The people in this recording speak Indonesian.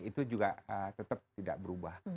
itu juga tetap tidak berubah